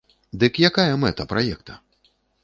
Дык якая мэта праекта?